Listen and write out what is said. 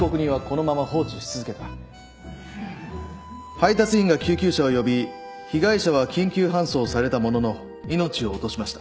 配達員が救急車を呼び被害者は緊急搬送されたものの命を落としました。